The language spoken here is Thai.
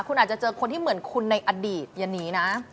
คุณอาจจะเจอคนที่เหมือนคุณในอดีตอย่าหนีนะ